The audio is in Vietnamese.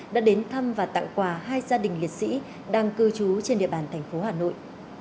đã đến thăm và tặng quà hai gia đình liệt sĩ đang cư trú trên địa bàn thành phố hà nội